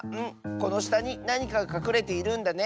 このしたになにかがかくれているんだね！